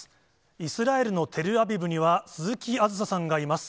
イスラエルのテルアビブには、鈴木あづささんがいます。